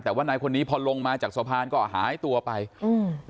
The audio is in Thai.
แต่ว่านายคนนี้พอลงมาจากสะพานก็หายตัวไปอืม